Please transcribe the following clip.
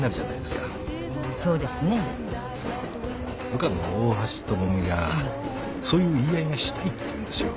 部下の大橋知美がそういう言い合いがしたいって言うんですよ。